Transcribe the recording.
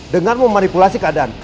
dengan memanipulasi keadaan